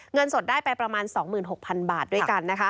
เงินสดได้ไปประมาณ๒๖๐๐๐บาทด้วยกันนะคะ